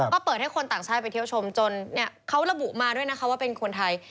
ก็เปิดให้คนต่างชาติไปเที่ยวชมจนเนี่ยเขาระบุมาด้วยนะคะว่าเป็นคนไทย